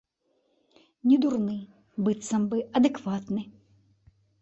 Недурны, быццам бы, адэкватны.